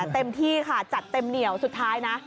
เต็มที่ค่ะจัดเต็มเหนียวสุดท้ายนะ